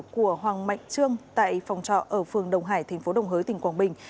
của hoàng mạnh trương tại phòng trọ ở phường đồng hải tp đồng hới tỉnh quảng bình